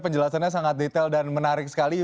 penjelasannya sangat detail dan menarik sekali